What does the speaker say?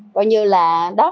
coi như là đó